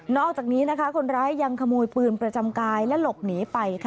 อกจากนี้คนร้ายยังขโมยปืนประจำกายและหลบหนีไป